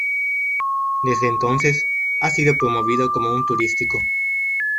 Desde entonces, ha sido promovido como un turístico.